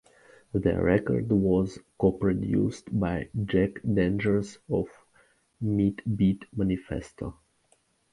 The record was co-produced by Jack Dangers of Meat Beat Manifesto.